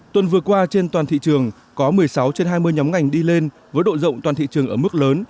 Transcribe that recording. tuần vừa qua trên toàn thị trường có một mươi sáu trên hai mươi nhóm ngành đi lên với độ rộng toàn thị trường ở mức lớn